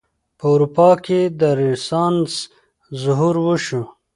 په اروپا کې د رنسانس ظهور وشو.